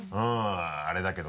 あれだけど。